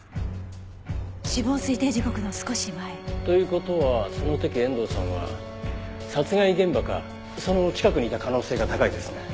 死亡推定時刻の少し前。という事はその時遠藤さんは殺害現場かその近くにいた可能性が高いですね。